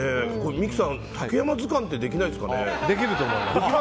三木さん、竹山図鑑ってできないですかね。